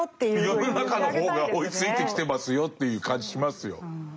世の中の方が追いついてきてますよという感じしますよ。